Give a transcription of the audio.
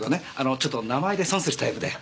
ちょっと名前で損するタイプで。